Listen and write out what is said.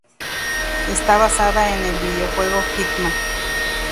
Está basada en el videojuego "Hitman".